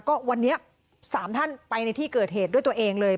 ก็วันนี้๓ท่านไปในที่เกิดเหตุด้วยตัวเองเลย